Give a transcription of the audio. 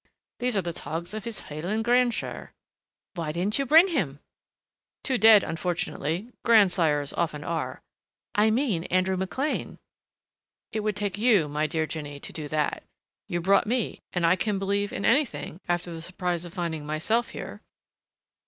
These are the togs of his Hieland Grandsire " "Why didn't you bring him?" "Too dead, unfortunately grandsires often are " "I mean Andrew McLean." "It would take you, my dear Jinny, to do that. You brought me and I can believe in anything after the surprise of finding myself here."